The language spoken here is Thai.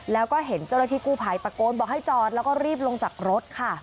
แล้วก็เห็นเจ้าหน้าที่กู้ภัยตะโกนบอกให้จอดแล้วก็รีบลงจากรถค่ะ